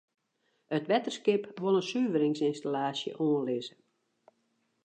It wetterskip wol in suveringsynstallaasje oanlizze.